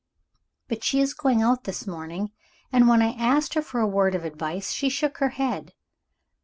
But she is going out this morning; and, when I asked for a word of advice, she shook her head.